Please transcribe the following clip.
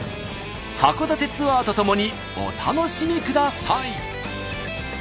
函館ツアーとともにお楽しみください。